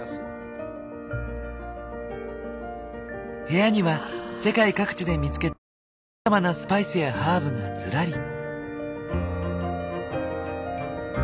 部屋には世界各地で見つけたさまざまなスパイスやハーブがずらり。